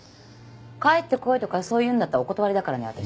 帰ってこいとかそういうんだったらお断りだからね私。